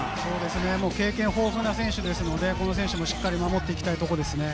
経験豊富な選手ですので、しっかり守っていきたいところですね。